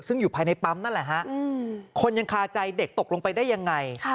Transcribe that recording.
ซึ่งอยู่ภายในปั๊มนั่นแหละฮะคนยังคาใจเด็กตกลงไปได้ยังไง